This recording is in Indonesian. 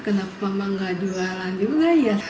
kenapa memang gak jualan juga ya